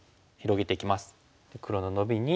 黒のノビに。